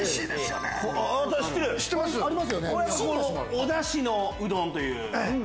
おダシのうどんという。